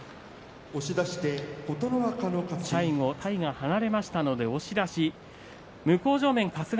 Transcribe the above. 最後、体が離れましたので押し出しです。